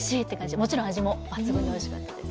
もちろん味も抜群においしかったです。